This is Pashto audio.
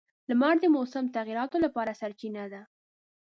• لمر د موسم تغیراتو لپاره سرچینه ده.